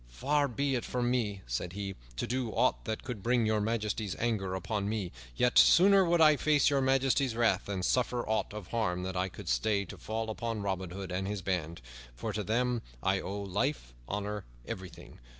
"Far be it from me," said he, "to do aught that could bring Your Majesty's anger upon me. Yet, sooner would I face Your Majesty's wrath than suffer aught of harm that I could stay to fall upon Robin Hood and his band; for to them I owe life, honor, everything.